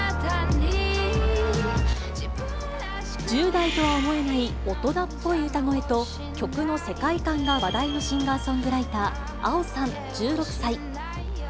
１０代とは思えない大人っぽい歌声と、曲の世界観が話題のシンガーソングライター、ａｏさん１６歳。